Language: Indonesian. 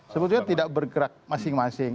sebetulnya tidak bergerak masing masing